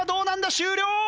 終了！